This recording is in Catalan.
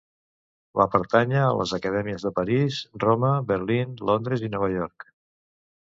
Va pertànyer a les Acadèmies de París, Roma, Berlín, Londres i Nova York.